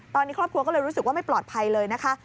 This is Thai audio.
ตอนนี้ครอบครัวก็เลยรู้สึกว่าไม่ปลอดภัยเลยนะคะ